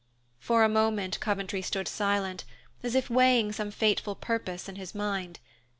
For a moment Coventry stood silent, as if weighing some fateful purpose in his mind.